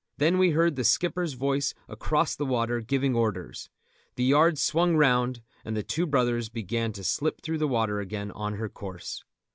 Then we heard the skipper's voice across the water giving orders; the yards swung round, and The Two Brothers began to slip through the water again on her course.